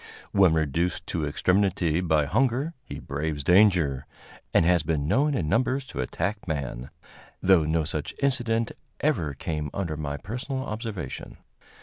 When reduced to extremity by hunger, he braves danger, and has been known in numbers to attack man, though no such incident ever came under my personal observation.